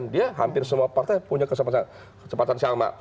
dia hampir semua partai punya kesempatan yang sama